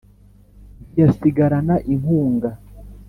Ntiyasigarana inkunga